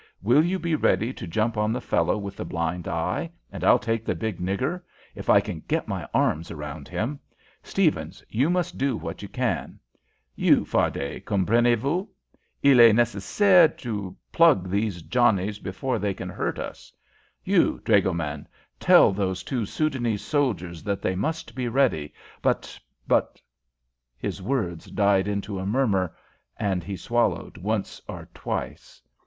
Will you be ready to jump on the fellow with the blind eye, and I'll take the big nigger, if I can get my arms around him. Stephens, you must do what you can. You, Fardet, comprenez vous? Il est nécessaire to plug these Johnnies before they can hurt us. You, dragoman, tell those two Soudanese soldiers that they must be ready but, but " his words died into a murmur and he swallowed once or twice.